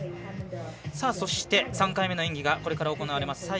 そして、３回目の演技がこれから行われます。